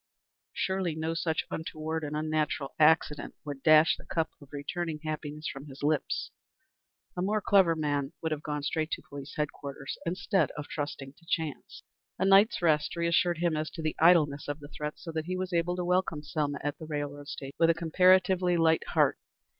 Surely, no such untoward and unnatural accident would dash the cup of returning happiness from his lips. A more clever man would have gone straight to police headquarters, instead of trusting to chance. A night's rest reassured him as to the idleness of the threat, so that he was able to welcome Selma at the railroad station with a comparatively light heart.